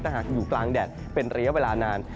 หากอยู่กลางแดดเป็นระยะเวลานาน